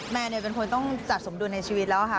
แม่เนี่ยเป็นคนต้องจัดสมดุลในชีวิตแล้วค่ะ